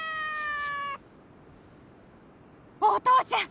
お父ちゃん！